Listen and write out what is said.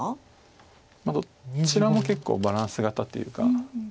どちらも結構バランス型というか。